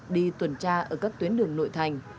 đi tuần tra ở các tuyến đường nội thành